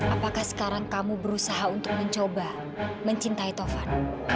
apakah sekarang kamu berusaha untuk mencoba mencintai tovan